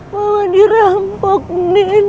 mama dirampok nen